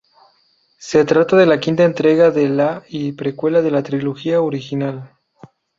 Se trata de la quinta entrega de la y precuela de la trilogía original.